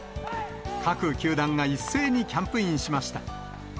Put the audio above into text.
各球団が一斉にキャンプインしました。